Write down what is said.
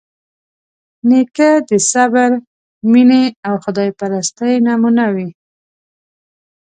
نیکه د صبر، مینې او خدایپرستۍ نمونه وي.